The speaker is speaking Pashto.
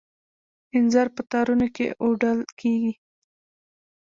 انځر په تارونو کې اوډل کیږي.